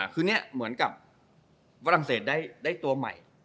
คือนี่เหมือนกับฝรั่งเศสได้ตัวใหม่